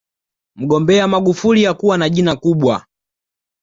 mgombea magufuli hakuwa na jina kubwa